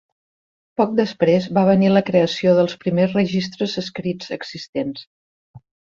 Poc després va venir la creació dels primers registres escrits existents.